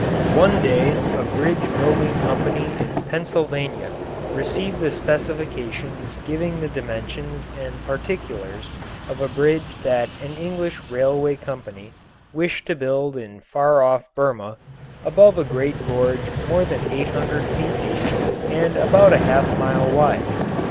One day a bridge building company in Pennsylvania received the specifications giving the dimensions and particulars of a bridge that an English railway company wished to build in far off Burma, above a great gorge more than eight hundred feet deep and about a half mile wide.